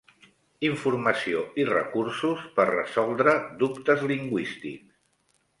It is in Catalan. Informació i recursos per resoldre dubtes lingüístics.